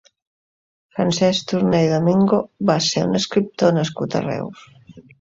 Francesc Torné i Domingo va ser un escriptor nascut a Reus.